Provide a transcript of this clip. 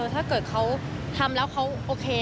ถ้าเกิดเขาทำแล้วเขาโอเค